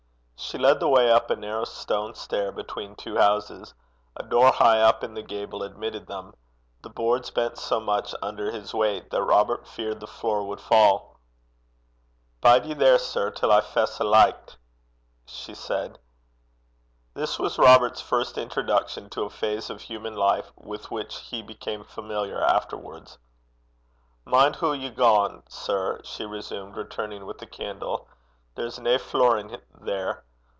She led the way up a narrow stone stair between two houses. A door high up in the gable admitted them. The boards bent so much under his weight that Robert feared the floor would fall. 'Bide ye there, sir, till I fess a licht,' she said. This was Robert's first introduction to a phase of human life with which he became familiar afterwards. 'Mind hoo ye gang, sir,' she resumed, returning with a candle. 'There's nae flurin' there.